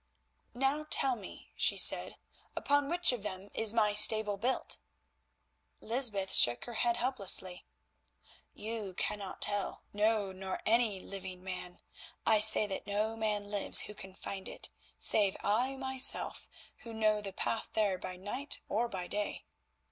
"Now tell me," she said, "upon which of them is my stable built?" Lysbeth shook her head helplessly. "You cannot tell, no, nor any living man; I say that no man lives who could find it, save I myself, who know the path there by night or by day.